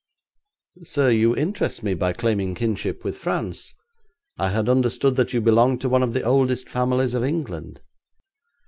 'Sir, you interest me by claiming kinship with France. I had understood that you belonged to one of the oldest families of England.'